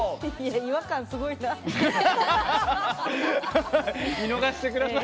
違和感すごいな！